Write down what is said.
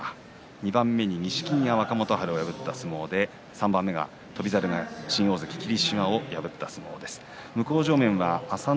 ２番目に錦木が若元春を破った相撲３番目は翔猿が新大関霧島を破った相撲です。